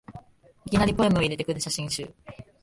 いきなりポエムを入れてくる写真集